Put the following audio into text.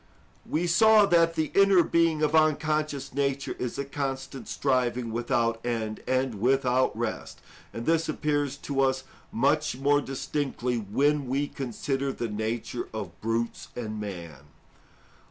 We saw that the inner being of unconscious nature is a constant striving without end and without rest. And this appears to us much more distinctly when we consider the nature of brutes and man.